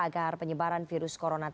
agar penyebaran virus corona di tanah air